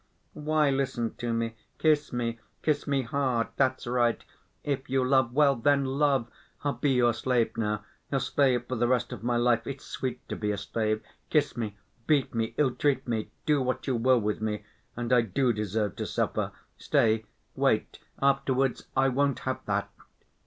Why listen to me? Kiss me, kiss me hard, that's right. If you love, well, then, love! I'll be your slave now, your slave for the rest of my life. It's sweet to be a slave. Kiss me! Beat me, ill‐treat me, do what you will with me.... And I do deserve to suffer. Stay, wait, afterwards, I won't have that...."